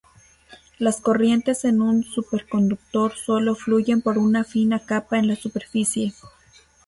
Las corrientes en un superconductor solo fluyen por una fina capa en la superficie.